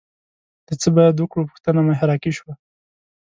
د څه باید وکړو پوښتنه محراقي شوه